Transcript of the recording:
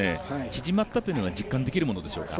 縮まったというのは実感できるものでしょうか？